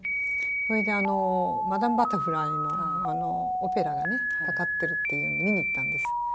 それで「マダム・バタフライ」のオペラがかかってるっていうんで見に行ったんです。